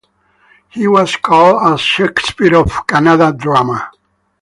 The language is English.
He was called as "Shakespeare of Kannada Drama".